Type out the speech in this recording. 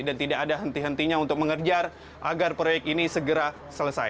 dan tidak ada henti hentinya untuk mengerjar agar proyek ini segera selesai